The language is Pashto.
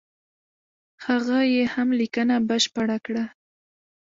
هغه یې هم لیکنه بشپړه کړه.